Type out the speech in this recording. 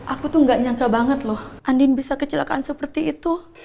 aku tuh gak nyangka banget loh andin bisa kecelakaan seperti itu